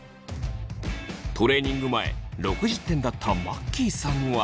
トレーニング前６０点だったマッキーさんは。